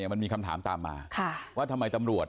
มันมีคำถามตามมาว่าทำไม